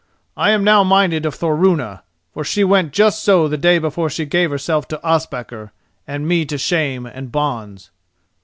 I am now minded of Thorunna, for she went just so the day before she gave herself to Ospakar, and me to shame and bonds."